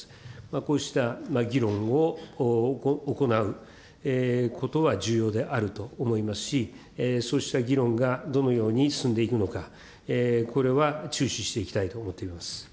こうした議論を行うことは重要であると思いますし、そうした議論がどのように進んでいくのか、これは注視していきたいと思っています。